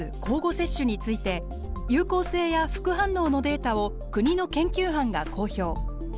交互接種について有効性や副反応のデータを国の研究班が公表。